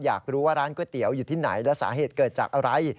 อยากรู้ว่าร้านก๋วยเตี๋ยวอยู่ที่ไหนและสาเหตุเกิดจากอะไร